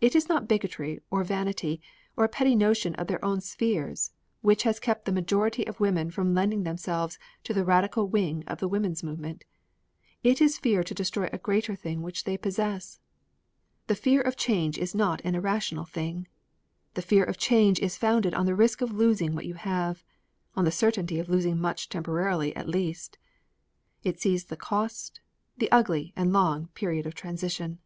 It is not bigotry or vanity or a petty notion of their own spheres which has kept the majority of women from lending themselves to the radical wing of the woman's movement. It is fear to destroy a greater thing which they possess. The fear of change is not an irrational thing the fear of change is founded on the risk of losing what you have, on the certainty of losing much temporarily at least. It sees the cost, the ugly and long period of transition.